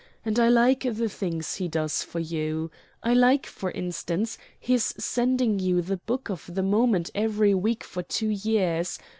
And I like the things he does for you. I like, for instance, his sending you the book of the moment every week for two years.